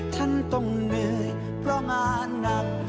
ท่านต้องเหนื่อยประมาณนัก